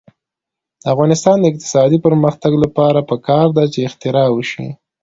د افغانستان د اقتصادي پرمختګ لپاره پکار ده چې اختراع وشي.